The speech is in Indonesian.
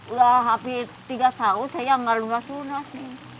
udah hampir tiga tahun saya nggak lunas lunas nih